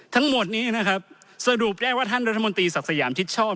ทั้งหมดนี้นะครับสรุปได้ว่าท่านรัฐมนตรีศักดิ์สยามชิดชอบ